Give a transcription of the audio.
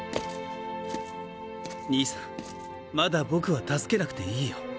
まだ僕は助けなくていいよ。